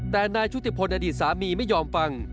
แต่นายชุติพลอดีตสามีไม่ยอมฟัง